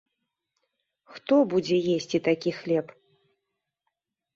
Хто будзе есці такі хлеб?